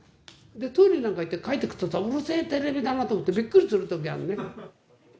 トイレなんか行って帰ってくると、うるせえテレビだなってびっくりするときあるね。